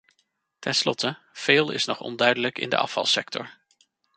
Tenslotte, veel is nog onduidelijk in de afvalsector.